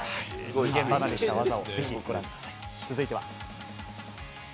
人間離れした技をぜひ、ご覧ください続いては。